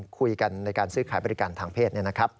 คุยกันในการซื้อขายบริการทางเพศ